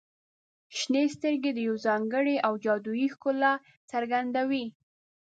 • شنې سترګې د یو ځانګړي او جادويي ښکلا څرګندوي.